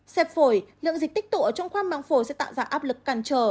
xẹp phổi lượng dịch tích tụ ở trong khoang măng phổi sẽ tạo ra áp lực càn trờ